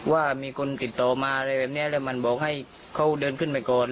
ว่ามีคนติดต่อมาอะไรแบบนี้แล้วมันบอกให้เขาเดินขึ้นไปก่อน